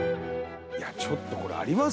ちょっとこれあります？